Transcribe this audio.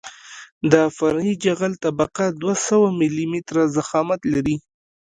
د فرعي جغل طبقه دوه سوه ملي متره ضخامت لري